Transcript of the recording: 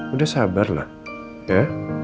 udah sabar lah ya